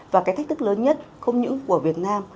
và cái thách thức lớn nhất không những của việt nam